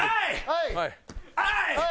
はい！